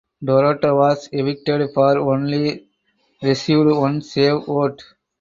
Dorota was evicted for only received one save vote.